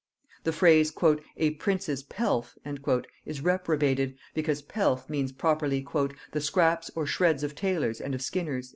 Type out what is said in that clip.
The phrase "a prince's pelf" is reprobated, because pelf means properly "the scraps or shreds of taylors and of skinners."